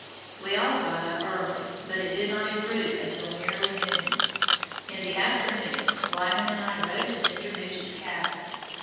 We all got up early, but it did not improve until nearly noon. In the afternoon Lyman and I rode to Mr. Nugent's cabin.